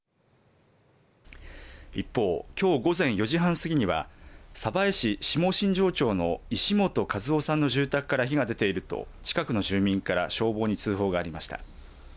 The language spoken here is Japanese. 一方きょう午前４時半過ぎには鯖江市下新庄町の石本一雄さんの住宅から火が出ていると近くの住民から消防に通報がありました。